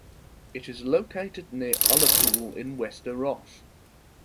It is located near Ullapool in Wester Ross.